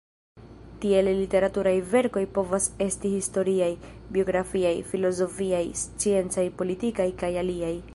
Tiele literaturaj verkoj povas esti historiaj, biografiaj, filozofiaj, sciencaj, politikaj, kaj aliaj.